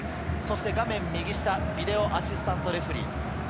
画面右下はビデオ・アシスタント・レフェリー。